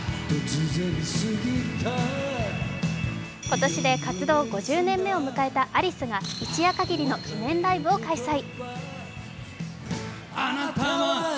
今年で活動５０年目を迎えたアリスが一夜限りの記念ライブを開催。